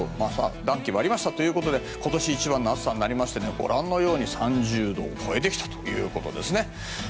乱気もありましたということで今年一番の暑さになりましてご覧のように３０度を超えてきたということです。